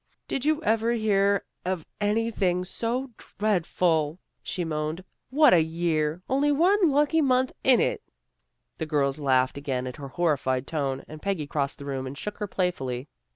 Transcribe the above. " Did you ever hear of anything so dread A HALLOWE'EN PARTY 79 ful? " she moaned. " What a year! Only one lucky month in it." The girls laughed again at her horrified tone, and Peggy crossed the room and shook her playfully.